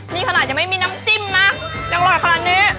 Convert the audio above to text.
นี่ขนาดยังไม่มีน้ำจิ้มนะยังอร่อยขนาดนี้